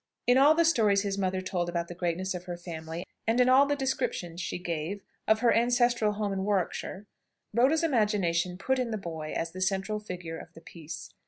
In all the stories his mother told about the greatness of her family, and in all the descriptions she gave of her ancestral home in Warwickshire, Rhoda's imagination put in the boy as the central figure of the piece.